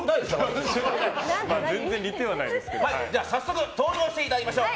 早速登場していただきましょう。